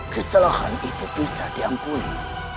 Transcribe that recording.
kesalahan itu bisa diampuni